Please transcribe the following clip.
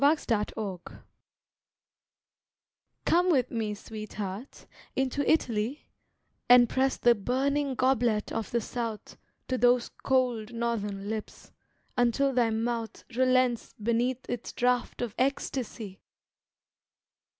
NORTH AND SOUTH Come with me, sweetheart, into Italy, And press the burning goblet of the south To those cold northern lips, until thy mouth Relents beneath its draft of ecstasy.